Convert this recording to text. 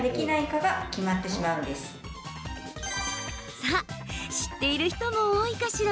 さあ、知っている人も多いかしら。